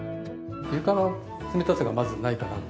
床は冷たさがまずないかなっていう。